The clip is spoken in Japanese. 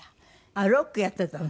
あっロックやってたの？